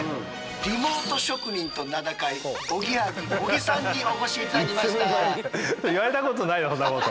リモート職人と名高いおぎやはぎ小木さんにお越し頂きました。